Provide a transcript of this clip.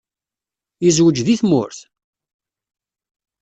Yezweǧ deg tmurt?